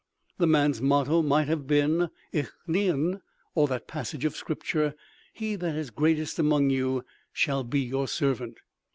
The man's motto might have been, "Ich Dien," or that passage of Scripture, "He that is greatest among you shall be your servant."